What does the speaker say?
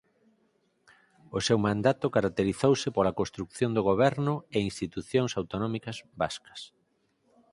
O seu mandato caracterizouse pola construción do goberno e institucións autonómicas vascas.